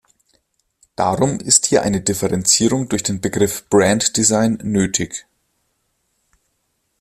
Darum ist hier eine Differenzierung durch den Begriff Brand Design nötig.